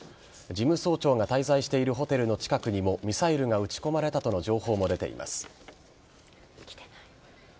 事務総長が滞在しているホテルの近くにもミサイルが撃ち込まれたとの情報も出ています。